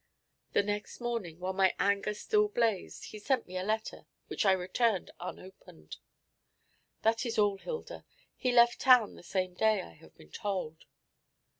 The next morning, while my anger still blazed, he sent me a letter, which I returned unopened. That is all, Hilda. He left town the same day, I have been told.